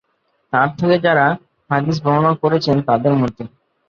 তার থেকে যারা হাদিস বর্ণনা করেছেন, তাদের মধ্যে